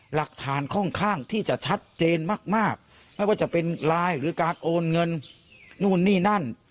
หลักฐานค่อนข้างที่จะชัดเจนมากไม่ว่าจะเป็นไลน์หรือการโอนเงินนู่นนี่นั่น